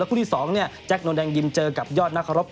แล้วคู่ที่สองเนี่ยแจ๊คนนท์แดงยิมเจอกับยอดนครบ